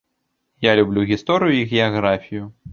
Я люблю гісторыю і геаграфію.